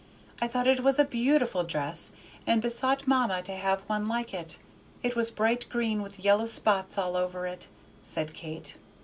I thought it was a beautiful dress, and besought mamma to have one like it. It was bright green with yellow spots all over it," said Kate.